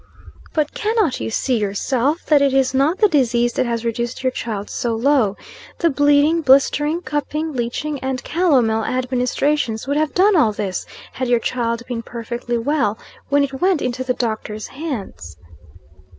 "But, cannot you see, yourself; that it is not the disease that has reduced your child so low. The bleeding, blistering, cupping, leeching, and calomel administrations, would have done all this, had your child been perfectly well when it went into the doctor's hands."